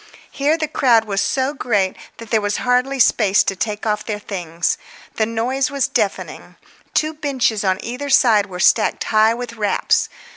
Here the crowd was so great there was hardly space to take off their things; the noise was deafening. Two benches on either side were stacked high with wraps.